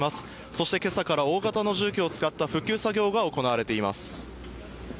そしてけさから大型の重機を使った復旧作業が行われています。